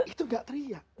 itu enggak teriak